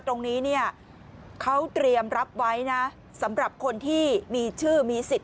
ตรงนี้เนี่ยเขาเตรียมรับไว้นะสำหรับคนที่มีชื่อมีสิทธิ